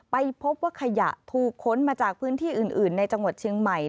ไปพบว่าขยะถูกค้นมาจากพื้นที่อื่นในจังหวัดเชียงใหม่